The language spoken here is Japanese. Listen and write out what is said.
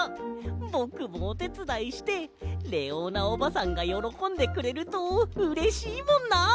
ぼくもおてつだいしてレオーナおばさんがよろこんでくれるとうれしいもんな。